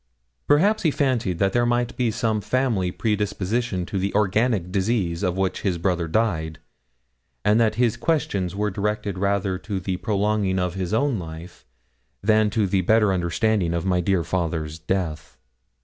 Perhaps he fancied that there might be some family predisposition to the organic disease of which his brother died, and that his questions were directed rather to the prolonging of his own life than to the better understanding of my dear father's death.